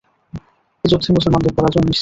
এ যুদ্ধে মুসলমানদের পরাজয় নিশ্চিত।